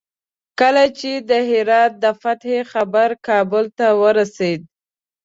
کله چې د هرات د فتح خبر کابل ته ورسېد.